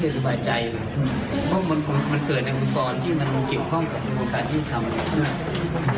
สวัสดีครับ